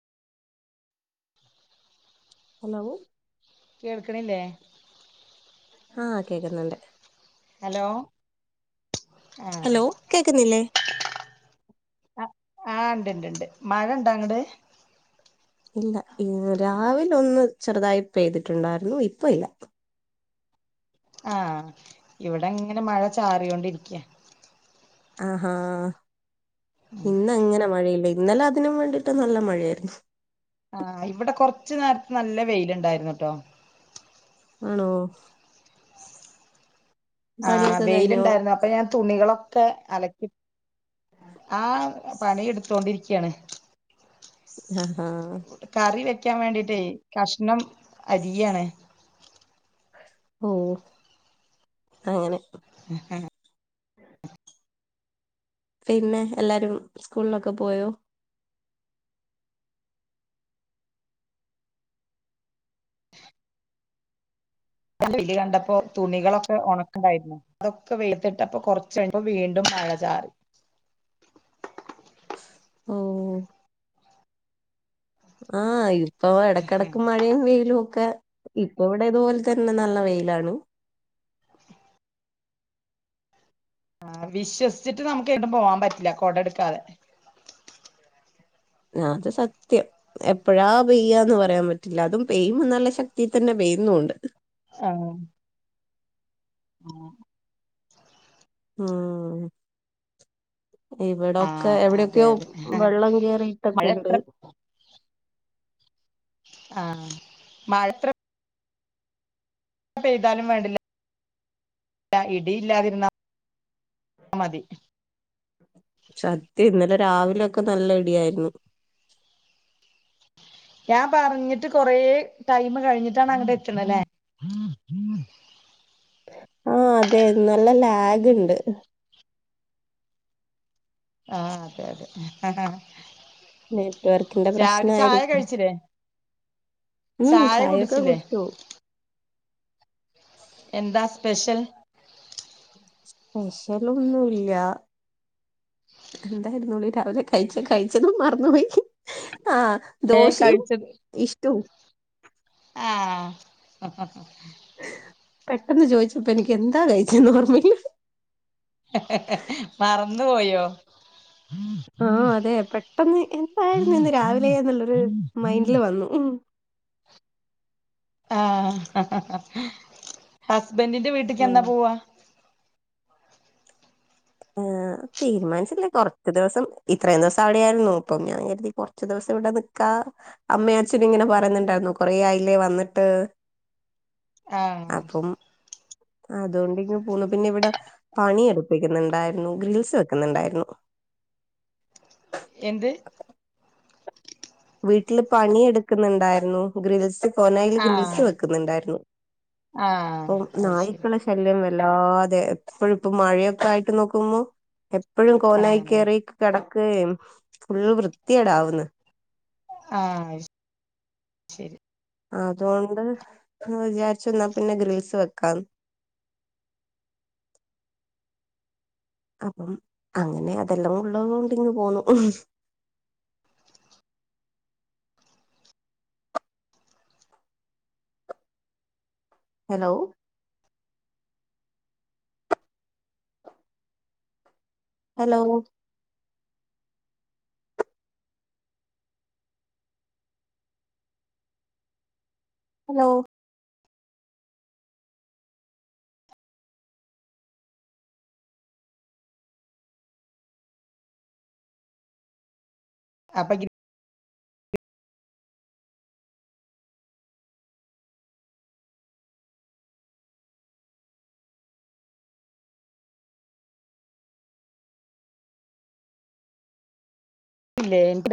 Hello കേൾക്കണില്ലേ ആഹ് കേക്കുന്നുണ്ട് ഹലോ ആഹ് ഹലോ കേക്കുന്നില്ലേ ആഹ് ഇണ്ട്ണ്ട്ണ്ട് മഴ ഇണ്ടാ അങ്ങട് ഇല്ല ഇന്ന് രാവിലെ ഒന്ന് ചെറുതായി പെയ്തിട്ടുണ്ടായിരുന്നു ഇപ്പ ഇല്ല ആഹ് ഇവിടെ ഇങ്ങനെ മഴ ചാറിയോണ്ടിരിക്കാ ആഹ്ഹാ ഇന്ന് അങ്ങനെ മഴയില്ല ഇന്നലെ അതിനും വേണ്ടിട്ട് നല്ല മഴയായിരുന്നു ആ ഇവിടെ കൊറച്ചു നേരത്തെ നല്ല വെയിലുണ്ടായിരുന്നുട്ടോ ആണോ ആഹ് പണിയൊക്കെ കഴിഞ്ഞോ വെയിലുണ്ടായിരുന്നു അപ്പൊ ഞാൻ തുണികളൊക്കെ അലക്കി ആ പണി എടുത്തോണ്ടിരിക്കാണ് ആഹ് ഹഹ ക്കാൻ വേണ്ടീട്ടേ കഷ്ണം അരിയാണ് ഓ അങ്ങനെ എഹ്ഹ പിന്നെ എല്ലാരും സ്കൂളിലൊക്കെ പോയോ നല്ല വെയില് കണ്ടപ്പോ തുണികളൊക്കെ ഉണക്കണ്ടായിരുന്നു അതൊക്കെ വെയിലിത്തിട്ടപ്പോ കൊറച്ച് കഴിഞ്ഞപ്പോ വീണ്ടും മഴ ചാറി ഓ ആഹ് യി ഇപ്പൊ എടക്കെടക്ക് മഴയും വെയിലും ഒക്കെ ഇപ്പ ഇവിടെതുപോലെ തന്നെ നല്ല വെയിലാണ്. ആ വിശ്വസിച്ചിട്ട് നമുക്ക് എങ്ങട്ടും പോവാൻ പറ്റില്ല കൊടട്ക്കാതെ ആ അത് സത്യം എപ്പഴാ പെയ്യാന്ന് പറയാൻ പറ്റില്ല. അതും പെയ്യുമ്മ നല്ല ശക്തിതന്നെ പെയ്യുന്നുണ്ട് ആഹ് ആഹ് ആഹ് ഇവിടൊക്കെ ആഹ് അതെ എവിടെയൊക്ക്യോ അതെ വെള്ളം മഴ കേറിട്ടൊക്കെണ്ട്. എത്ര ആഹ് മഴത്ര പെയ്താലും വേണ്ടില്ല ഇടില്ലാതിരുന്ന മതി ഷത്യം ഇന്നലെ രാവിലൊക്കെ നല്ല ഇടിയായിരുന്നു. ഞാൻ പറഞ്ഞിട്ട് കൊറെ ടൈമ് കഴിഞ്ഞിട്ടാണ് അങ്ങട്ട് എത്ത്ണല്ലേ ആഹ് അതെ നല്ല ലാഗ്ണ്ട് ആഹ് അതെ അതെ നെറ്റ് വർക്കിന്റെ രാവിലെ ചായ പ്രശ്നായിരിക്കും കഴിച്ചില്ലേ ഉം ചായ ചായൊക്കെ കുടിച്ചില്ലേ കുടിച്ചു. എന്താ സ്പെഷ്യൽ? സ്പെഷ്യല് ഒന്നുല്ല എന്തായിരുന്നുടി രാവിലെ കഴിച്ചേ കഴിച്ചതും മറന്നുപോയി ആ ഏഹ് ദോശയും കഴിച്ചത് ഇഷ്ടും ആ പെട്ടെന്ന് ചോയിച്ചപ്പോ എനിക്ക് എന്താ കഴിച്ചേയെന്ന് ഓർമയില്ല മറന്ന് പോയോ? ആ അതെ പെട്ടെന്ന് എന്തായിരുന്നു ഇന്ന് രാവിലെ എന്നുള്ളരു മൈൻഡില് വന്നു ഉം ആ ഹസ് ബന്റിന്റെ വീട്ട്ക്ക് ഉം എന്നാ പോവാ [inaudible] അഹ് തീരുമാനിച്ചില്ല കൊറച്ച് ദിവസം ഇത്രയും ദിവസം അവിടെയായിരുന്നു അപ്പം ഞാൻ കരുതി കൊറച്ച് ദിവസം ഇവിടെ നിക്കാ. അമ്മ അച്ഛന് ഇങ്ങനെ പറന്നുണ്ടായിരുന്നു കൊറെ ആയില്ലേ വന്നിട്ട്. ആ അതോണ്ട് ഇങ്ങ് പോന്നു പിന്നെവിടെ പണി എടുപ്പിക്ക്ന്ന്ണ് ണ്ടായിരുന്നു. ഗ്രിൽസ് വെക്കുന്നുണ്ടായിരുന്നു. എന്ത് വീട്ടില് പണി എട്ക്ക്ന്നുണ്ടായിരുന്നു ഗ്രിൽസ് കോനായിൽ ആഹ് ഗ്രിൽസ് വെക്കുന്നുണ്ടായിരുന്നു ആഹ് അപ്പം അത് ശരി നായ്ക്കള ശല്യം വ ലാതെ എപ്പഴും ഇപ്പം മഴയൊക്കെ ആയിട്ട് നോക്കുമ്പോ എപ്പഴും കോലായി ആഹ് കേറി കേട യേം ഫുള്ള് വൃത്തിടാകുന്നു ആ ശരി അതോണ്ട് അ് വിചാരിച്ച് എന്നാ പിന്നെ ഗ്രിൽസ് വെക്കാന്ന് അപ്പം അങ്ങനെ അതെല്ലാം ഉള്ളതോണ്ട് ഇങ്ങ് പോന്നു ഹലോ ഹലോ ഹലോ കപ്പക്ക് ഇല്ലേ